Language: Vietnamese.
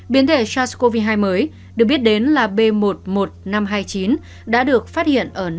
biến thể sars cov hai mới được biết đến là b một một năm trăm hai mươi chín đã được phát hiện ở nam